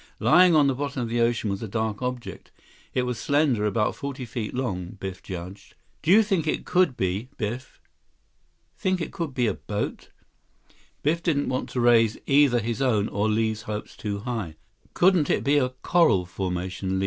Lying on the bottom of the ocean was a dark object. It was slender, about forty feet long, Biff judged. "Do you think it could be, Biff? Think it could be a boat?" Biff didn't want to raise either his own or Li's hopes too high. 134 "Couldn't it be a coral formation, Li?"